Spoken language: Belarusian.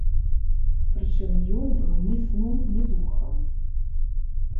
Прычым ён быў ні сном ні духам.